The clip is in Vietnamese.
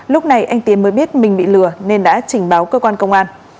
lúc này anh tiến mới biết mình bị lừa nên đã trình báo cơ quan công an